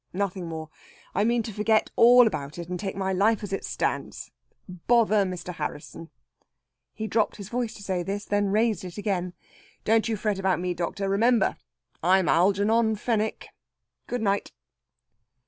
Nothing more. I mean to forget all about it, and take my life as it stands. Bother Mr. Harrisson!" He dropped his voice to say this; then raised it again. "Don't you fret about me, doctor. Remember, I'm Algernon Fenwick! Good night!"